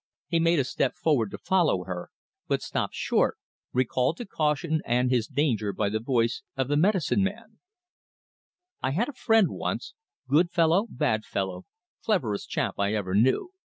He made a step forward to follow her, but stopped short, recalled to caution and his danger by the voice of the medicine man: "I had a friend once good fellow, bad fellow, cleverest chap I ever knew.